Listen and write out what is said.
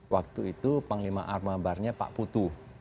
waktu itu panglima armabarnya pak putu